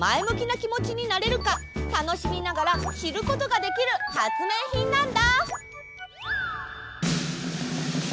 なきもちになれるかたのしみながらしることができるはつめいひんなんだ！